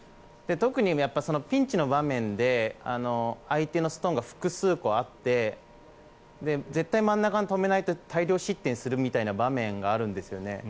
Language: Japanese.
特にピンチの場面で相手のストーンが複数個あって絶対に真ん中に止めないと大量失点するみたいな場面があるんですね。